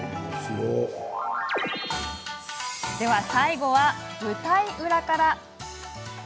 では、最後は舞台裏から。